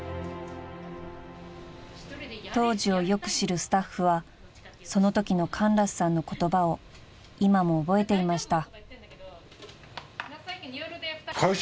［当時をよく知るスタッフはそのときのカンラスさんの言葉を今も覚えていました］